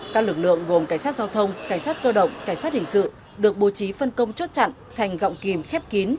các lực lượng gồm cảnh sát giao thông cảnh sát cơ động cảnh sát hình sự được bố trí phân công chốt chặn thành gọng kìm khép kín